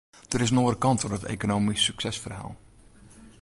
Der is in oare kant oan it ekonomysk suksesferhaal.